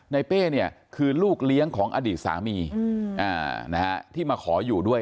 เป้เนี่ยคือลูกเลี้ยงของอดีตสามีที่มาขออยู่ด้วย